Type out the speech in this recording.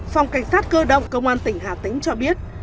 phòng cảnh sát cơ động công an tỉnh hà tĩnh cho biết